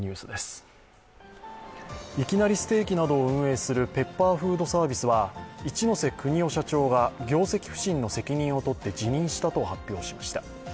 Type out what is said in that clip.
ステーキなどを運営するペッハーフードサービスは、一瀬邦夫社長が業績不振の責任をとって辞任したと発表しました。